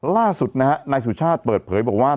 ล่าสุดนะฮะนายสุชาติเปิดเผยบอกว่า